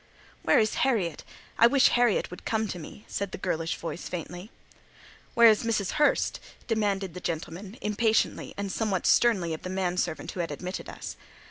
"Where is Harriet? I wish Harriet would come to me," said the girlish voice, faintly. "Where is Mrs. Hurst?" demanded the gentleman impatiently and somewhat sternly of the man servant who had admitted us.